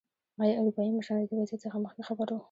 ایا اروپايي مشران له دې وضعیت څخه مخکې خبر وو.